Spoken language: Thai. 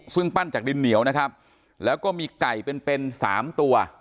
ซึ่งปั้นจากดินเหนียวนะครับแล้วก็มีไก่เป็นเป็นสามตัว